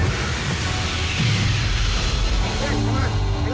kita harus menyelesaikan syarat syarat tumbal itu